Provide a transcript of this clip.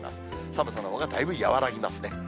寒さのほうがだいぶ和らぎますね。